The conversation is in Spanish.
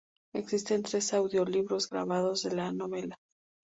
Existen tres audiolibros grabados de la novela.